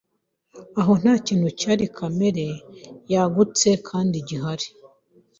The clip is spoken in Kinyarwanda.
Aho ntakintu cyari Kamere yagutse Kandi gihari